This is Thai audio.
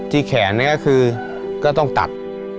แขนก็คือก็ต้องตัด